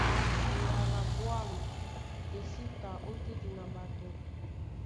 Eyala á ɓwâm é sí ta ótétena ɓato.